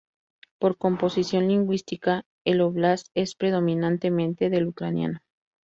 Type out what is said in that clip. Por composición lingüística, el óblast es predominantemente del ucraniano.